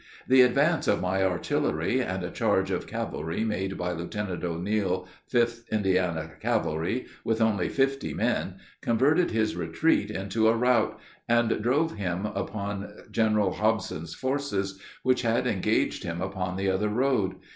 The advance of my artillery, and a charge of cavalry made by Lieutenant O'Neil, 5th Indiana Cavalry, with only fifty men, converted his retreat into a rout, and drove him upon General Hobson's forces, which had engaged him upon the other road.